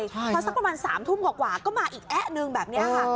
พอสักประมาณ๓ทุ่มกว่าก็มาอีกแอ๊ะนึงแบบนี้ค่ะ